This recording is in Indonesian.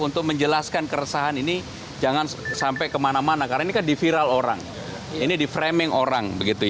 untuk menjelaskan keresahan ini jangan sampai kemana mana karena ini kan di viral orang ini di framing orang